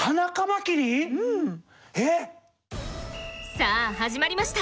さあ始まりました